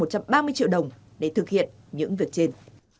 một trăm ba mươi triệu đồng để thực hiện những việc trên